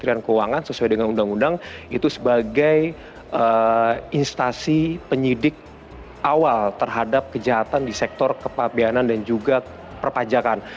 jadi kementerian keuangan sesuai dengan undang undang itu sebagai instasi penyidik awal terhadap kejahatan di sektor kepabianan dan juga perpajakan